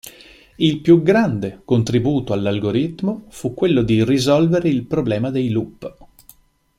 Il più grande contributo all'algoritmo fu quello di risolvere il problema dei loop.